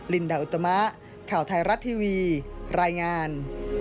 ลินดาอุตมะข่าวไทยรัฐทีวีรายงาน